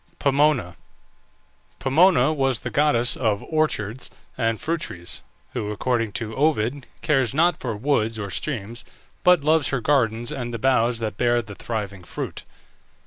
POMONA. Pomona was the goddess of orchards and fruit trees, who, according to Ovid, cares not for woods or streams, but loves her gardens and the boughs that bear the thriving fruit.